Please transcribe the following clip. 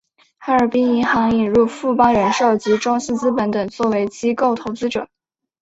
哈尔滨银行引入富邦人寿及中信资本等作为机构投资者。